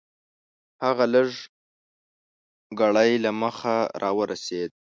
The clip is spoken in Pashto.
هغه لږ ګړی له مخه راورسېد .